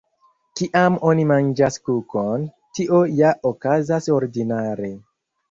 Kiam oni manĝas kukon, tio ja okazas ordinare.